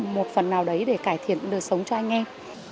một phần nào đấy để cải thiện đời sống cho anh em